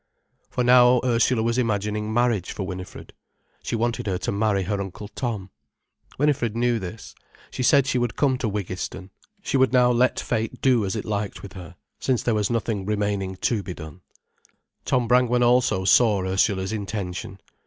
For now Ursula was imagining marriage for Winifred. She wanted her to marry her Uncle Tom. Winifred knew this. She said she would come to Wiggiston. She would now let fate do as it liked with her, since there was nothing remaining to be done. Tom Brangwen also saw Ursula's intention.